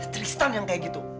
tristan yang kayak gitu